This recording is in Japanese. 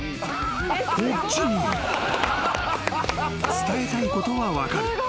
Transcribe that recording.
［伝えたいことは分かる。